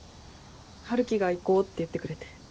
春樹が行こうって言ってくれて。